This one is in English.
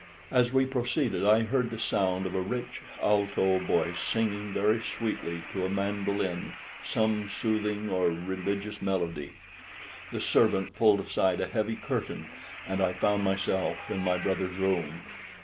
As we proceeded I heard the sound of a rich alto voice singing very sweetly to a mandoline some soothing or religious melody. The servant pulled aside a heavy curtain and I found myself in my brother's room.